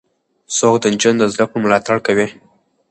څوک د نجونو د زدهکړو ملاتړ کوي؟